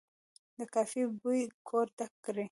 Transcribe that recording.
د کافي بوی کور ډک کړ.